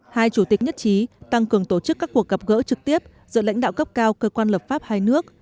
hai chủ tịch nhất trí tăng cường tổ chức các cuộc gặp gỡ trực tiếp giữa lãnh đạo cấp cao cơ quan lập pháp hai nước